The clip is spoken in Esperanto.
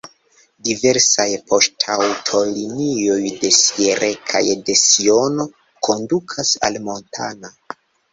Diversaj poŝtaŭtolinioj de Sierre kaj de Siono kondukas al Montana.